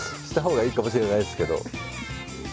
したほうがいいかもしれないですけど。